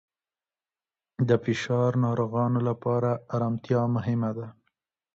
د فشار ناروغانو لپاره آرامتیا مهمه ده.